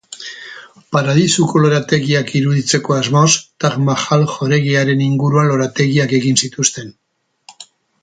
Paradisuko lorategiak iruditzeko asmoz, Taj Mahal jauregiaren inguruan lorategiak egin zituzten.